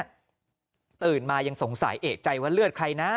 ตื่นมายังสงสัยเอกใจว่าเลือดใครนะ